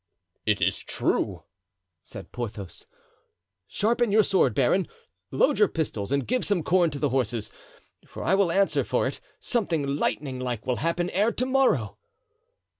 "It is true," said Porthos. "Sharpen your sword, baron, load your pistols, and give some corn to the horses, for I will answer for it, something lightning like will happen ere to morrow."